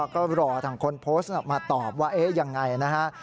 ก็รอทางคนโพสต์มาตอบว่าเอ๊ะยังไงนะฮะ